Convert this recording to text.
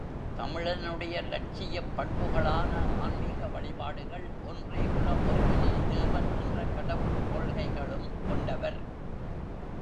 தமிழனுடைய லட்சியப் பண்புகளான ஆன்மீக வழிபாடுகள், ஒன்றே குலம் ஒருவனே தேவன் என்ற கடவுட் கொள்கைகளும் கொண்டவர்.